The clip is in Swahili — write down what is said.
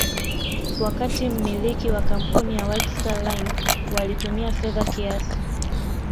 wakati mmiliki wa kampuni ya White Star Line walitumia fedha kiasi